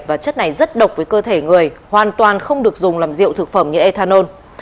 và chất này rất độc với cơ thể người hoàn toàn không được dùng làm rượu thực phẩm như ethanol